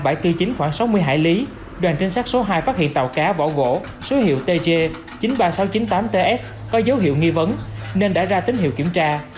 bãi khoảng sáu mươi hải lý đoàn trinh sát số hai phát hiện tàu cá bỏ gỗ số hiệu tg chín mươi ba nghìn sáu trăm chín mươi tám ts có dấu hiệu nghi vấn nên đã ra tín hiệu kiểm tra